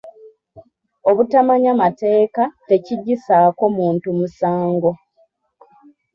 Obutamanya mateeka tekiggyisaako muntu musango.